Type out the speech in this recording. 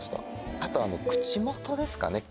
あとあの口元ですかね。